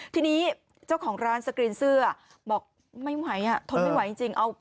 ทีนี้เข้าของร้านสกรีนเสื้อบอกเทนะนะ